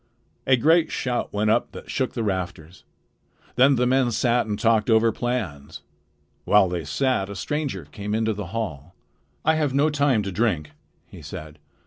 A great shout went up that shook the rafters. Then the men sat and talked over plans. While they sat, a stranger came into the hall. "I have no time to drink," he said.